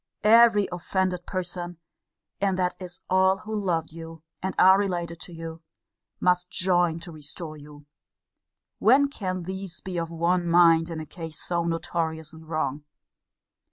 Every offended person (and that is all who loved you, and are related to you) must join to restore you: when can these be of one mind in a case so notoriously wrong?